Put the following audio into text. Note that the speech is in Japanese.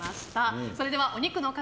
それではお肉の塊